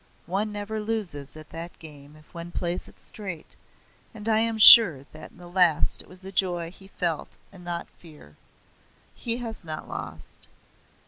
One never loses at that game if one plays it straight, and I am sure that at the last it was joy he felt and not fear. He has not lost.